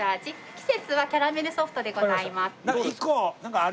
季節はキャラメルソフトでございます。